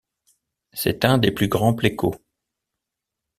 C’est un des plus grands plecos.